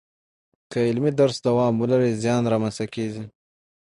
که عملي درس دوام ولري، زیان را منځ ته کیږي.